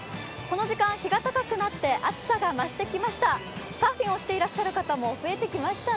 この時間、日が高くなって暑さが増してきました。